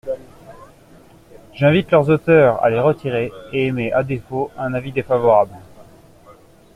J’invite leurs auteurs à les retirer et émets à défaut un avis défavorable.